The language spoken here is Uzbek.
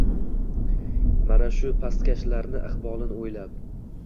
Mana shu pastkashlar iqbolin o’ylab?